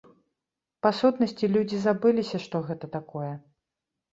Па-сутнасці, людзі забыліся, што гэта такое.